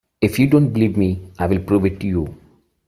If you don't believe me, I'll prove it to you!